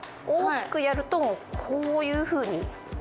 大きくやるとこういうふうに。